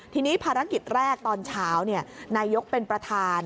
ทีนี้ภารกิจแรกตอนเช้านายกเป็นประธาน